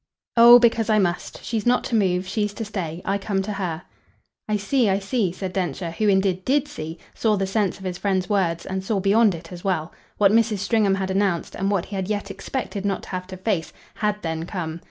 "Oh, because I must. She's not to move. She's to stay. I come to her." "I see, I see," said Densher, who indeed did see saw the sense of his friend's words and saw beyond it as well. What Mrs. Stringham had announced, and what he had yet expected not to have to face, HAD then come.